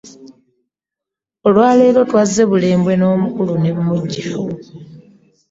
Olwalero twazze bulembwe n'omukulun'emujjawo .